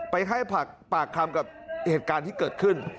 ไปให้ปากคำกับเหตุการณ์ที่เกิดขึ้น